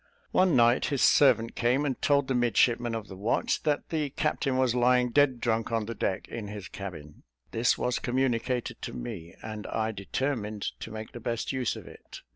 One night, his servant came and told the midshipman of the watch, that the captain was lying dead drunk on the deck, in his cabin. This was communicated to me, and I determined to make the best use of it.